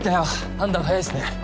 判断早いっすね。